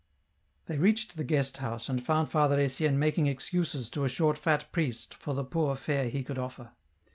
They reached the guest house, and found Father Etienne making excuses to a short fat priest for the poor fare he could offer.